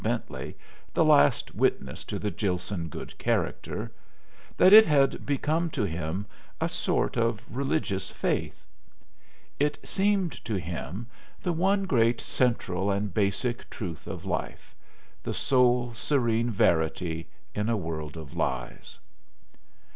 Bentley, the last witness to the Gilson good character) that it had become to him a sort of religious faith. It seemed to him the one great central and basic truth of life the sole serene verity in a world of lies.